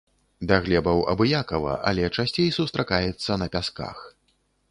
Да глебаў абыякава, але часцей сустракаецца на пясках.